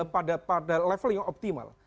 pada level yang optimal